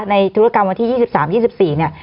ในธุรกรรมที่สี่สิบสามสี่สิบสี่เนี่ย